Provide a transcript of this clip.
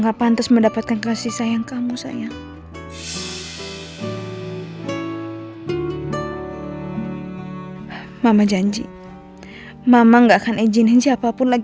kok pintu kamer rerena kebuka